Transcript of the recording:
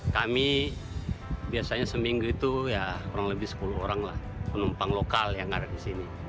kami biasanya seminggu itu ya kurang lebih sepuluh orang lah penumpang lokal yang ada di sini